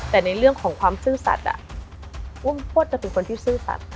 แต่ในเรื่องของความซื่อสัตว์อุ้มพวดจะเป็นคนที่ซื่อสัตว